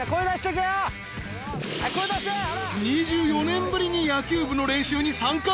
［２４年ぶりに野球部の練習に参加］